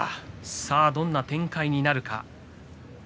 さあ、どんな展開になるか。